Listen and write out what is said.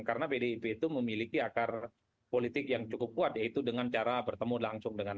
karena pdip itu memiliki akar politik yang cukup kuat yaitu dengan cara bertemu langsung dengan